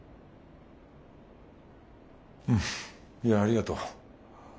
いやありがとう。